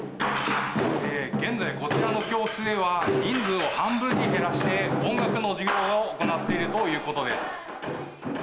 現在、こちらの教室では、人数を半分に減らして音楽の授業を行っているということです。